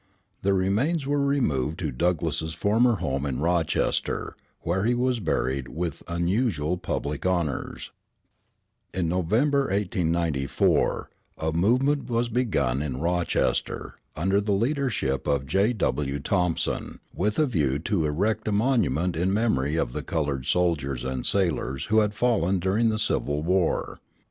The remains were removed to Douglass's former home in Rochester, where he was buried with unusual public honors. In November, 1894, a movement was begun in Rochester, under the leadership of J. W. Thompson, with a view to erect a monument in memory of the colored soldiers and sailors who had fallen during the Civil War.